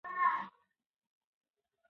موږ باید له نشه يي توکو سره مبارزه وکړو.